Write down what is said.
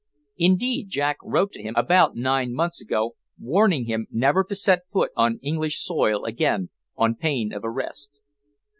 Indeed, Jack wrote to him about nine months ago warning him never to set foot on English soil again on pain of arrest.